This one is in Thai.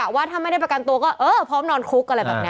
ว่าถ้าไม่ได้ประกันตัวก็เออพร้อมนอนคุกอะไรแบบนี้